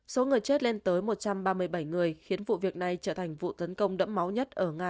số người chết lên tới một trăm ba mươi bảy người khiến vụ việc này trở thành vụ tấn công đẫm máu nhất ở nga